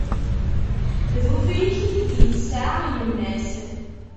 D ufrik i t-id-tesɛa yemma s.